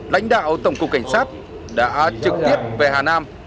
lãnh đạo tổng cục cảnh sát đã trực tiếp về hà nam